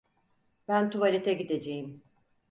Ben tuvalete gideceğim.